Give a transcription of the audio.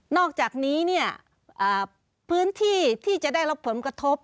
อกจากนี้เนี่ยพื้นที่ที่จะได้รับผลกระทบ